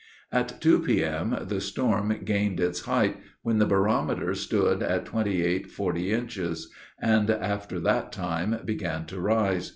At two P.M. the storm gained its height, when the barometer stood at 28.40 inches, and, after that time, began to rise.